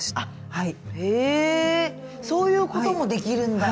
はい。